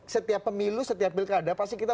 setiap pemilu setiap pilkada pasti kita